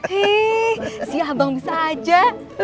hii si abang saja